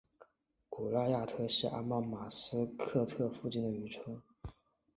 古赖亚特是阿曼马斯喀特附近的渔村。